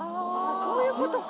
そういうことか。